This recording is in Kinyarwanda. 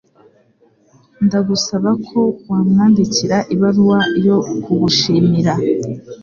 Ndagusaba ko wamwandikira ibaruwa yo kugushimira.